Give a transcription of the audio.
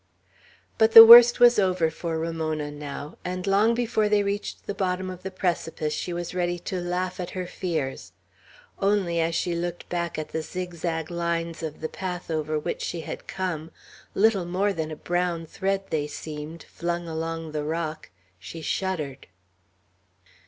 But the worst was over for Ramona now, and long before they reached the bottom of the precipice she was ready to laugh at her fears; only, as she looked back at the zigzag lines of the path over which she had come, little more than a brown thread, they seemed, flung along the rock, she shuddered.